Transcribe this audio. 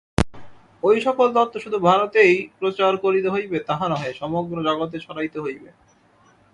ঐ-সকল তত্ত্ব শুধু ভারতেই প্রচার করিতে হইবে তাহা নহে, সমগ্র জগতে ছড়াইতে হইবে।